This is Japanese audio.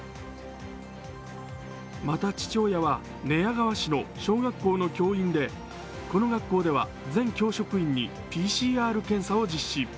また父親は寝屋川市の小学校の教員でこの学校では全教職員にＰＣＲ検査を実施。